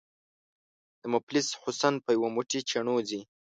” د مفلس حُسن په یو موټی چڼو ځي”